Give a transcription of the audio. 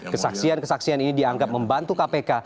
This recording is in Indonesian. kesaksian kesaksian ini dianggap membantu kpk